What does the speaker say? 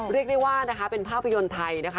เรียกได้ว่านะคะเป็นภาพยนตร์ไทยนะคะ